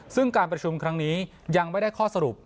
ซึ่งการประชุมครั้งนี้ยังไม่ได้ข้อสรุป